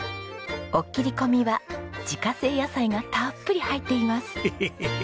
おっきりこみは自家製野菜がたっぷり入っています。